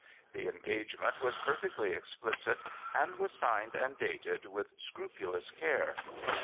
The engagement was perfectly explicit, and was signed and dated with scrupulous care.